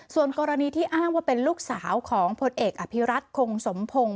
ส่วนกรณีที่อ้างว่าเป็นลูกสาวของพลเอกอภิรัตคงสมพงศ์